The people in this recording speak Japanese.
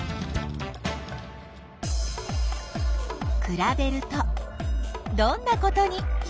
くらべるとどんなことに気がついた？